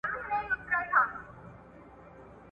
کيفي شاخصونه په ټولو څيړنو کي نه دي څيړل سوي.